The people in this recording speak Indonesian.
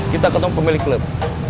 kita ketemu pemilik klub